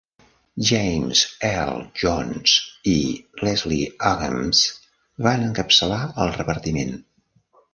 James Earl Jones i Leslie Uggams van encapçalar el repartiment.